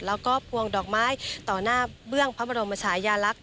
แล้วก็พวงดอกไม้ต่อหน้าเบื้องพระบรมชายาลักษณ์